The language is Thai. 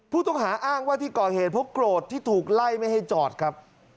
ผู้ต้องหาอ้างว่าที่ก่อเหตุเพราะโกรธที่ถูกไล่ไม่ให้จอดครับ